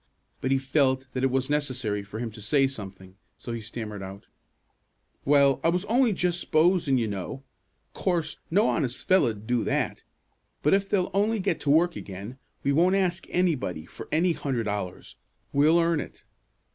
But he felt that it was necessary for him to say something, so he stammered out, "Well, I was only just s'posin', you know. Course, no honest fellow'd do that; but if they'll only get to work again, we won't ask anybody for any hunderd dollars. We'll earn it."